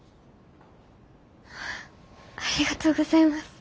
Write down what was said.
ありがとうございます。